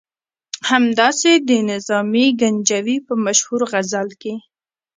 همداسې د نظامي ګنجوي په مشهور غزل کې.